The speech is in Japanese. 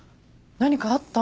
何かあった？